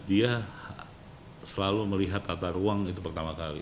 dia selalu melihat tata ruang itu pertama kali